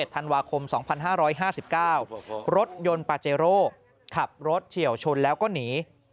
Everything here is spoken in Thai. ธันวาคม๒๕๕๙รถยนต์ปาเจโร่ขับรถเฉียวชนแล้วก็หนี